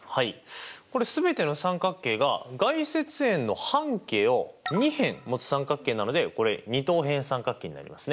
これ全ての三角形が外接円の半径を２辺持つ三角形なのでこれ二等辺三角形になりますね。